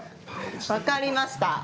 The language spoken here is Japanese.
分かりました